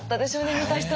見た人は。